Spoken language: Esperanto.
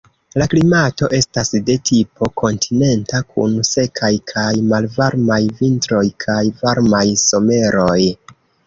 La klimato estas de tipo kontinenta, kun sekaj kaj malvarmaj vintroj kaj varmaj someroj.